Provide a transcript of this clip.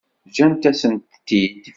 Ǧǧan-asen-tent-id?